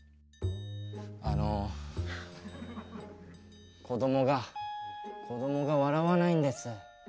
あのこどもがこどもが笑わないんです。